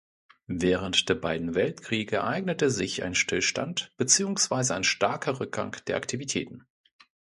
Während der beiden Weltkriege ereignete sich ein Stillstand beziehungsweise ein starker Rückgang der Aktivitäten.